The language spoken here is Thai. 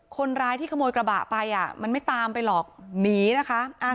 คนร้ายที่ขโมยกระบะไปอ่ะมันไม่ตามไปหรอกหนีนะคะ